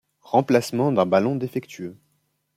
Remplacement d’un ballon défectueux.